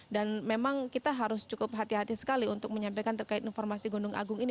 dan memang kita harus cukup hati hati sekali untuk menyampaikan terkait informasi gunung agung ini